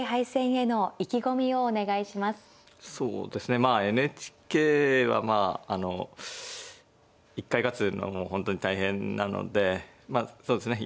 そうですねまあＮＨＫは一回勝つのも本当に大変なのでそうですね